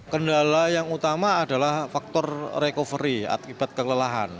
kendala yang utama adalah faktor recovery akibat kelelahan